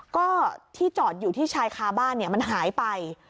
ก็ที่จอดอยู่ที่ชายคาบ้านมันหายไป